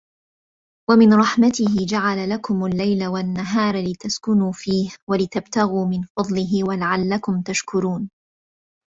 وَمِن رَحمَتِهِ جَعَلَ لَكُمُ اللَّيلَ وَالنَّهارَ لِتَسكُنوا فيهِ وَلِتَبتَغوا مِن فَضلِهِ وَلَعَلَّكُم تَشكُرونَ